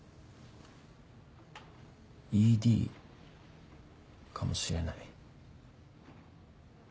ＥＤかもしれない。